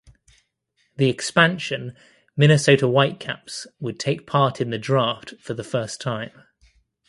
The expansion Minnesota Whitecaps would take part in the draft for the first time.